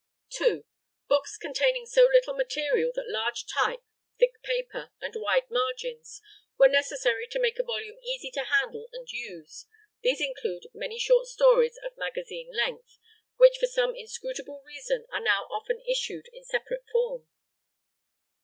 2. Books containing so little material that large type, thick paper, and wide margins were necessary to make a volume easy to handle and use. These include many short stories of magazine length, which for some inscrutable reason are now often issued in separate form.